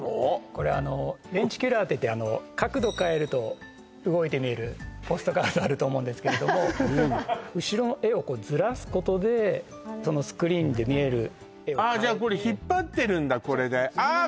これレンチキュラーっていって角度変えると動いて見えるポストカードあると思うんですけれども後ろの絵をこうずらすことでそのスクリーンで見える絵を変えてじゃ引っ張ってるんだこれでああ